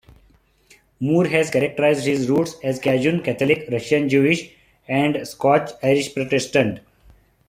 Moore has characterized his roots as "Cajun Catholic, Russian Jewish, and Scotch-Irish Protestant".